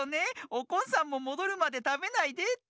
おこんさんももどるまでたべないでって。